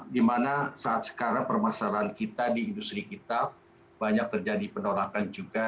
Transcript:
dimana saat sekarang permasalahan kita di industri kita banyak terjadi penolakan juga